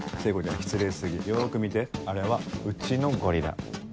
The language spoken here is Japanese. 失礼過ぎよく見てあれはうちのゴリラ。